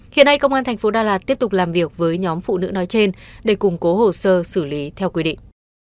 hiện nay công an thành phố đà lạt tiếp tục làm việc với nhóm phụ nữ nói trên để củng cố hồ sơ xử lý theo quy định